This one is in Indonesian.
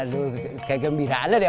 itu ya kegembiraan ya